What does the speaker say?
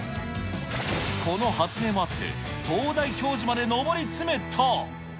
この発明もあって、東大教授まで上り詰めた。